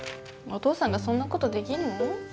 お父さんがそんなことできんの？